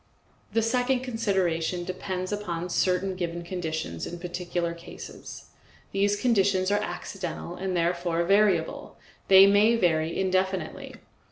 The second consideration depends upon certain given conditions in particular cases; these conditions are accidental and therefore variable; they may vary indefinitely.